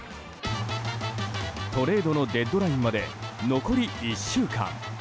トレードのデッドラインまで残り１週間。